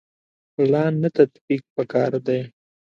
پلان نه تطبیق پکار دی